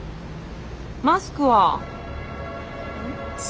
マスクは？